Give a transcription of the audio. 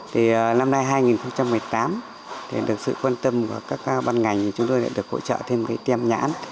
thì năm nay hai nghìn một mươi tám được sự quan tâm của các ban ngành chúng tôi đã được hỗ trợ thêm cái tiêm nhãn